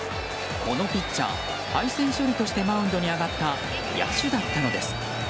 このピッチャー、敗戦処理としてマウンドに上がった野手だったのです。